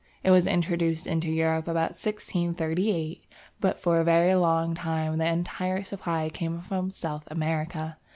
It was introduced into Europe about 1638, but for a very long time the entire supply came from South America.